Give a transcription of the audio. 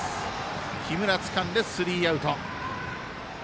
木村、つかんでスリーアウト。